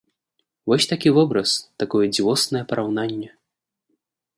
Вось такі вобраз, такое дзівоснае параўнанне.